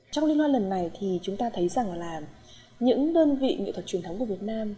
trong liên hoan lần này thì chúng ta thấy rằng là những đơn vị nghệ thuật truyền thống của việt nam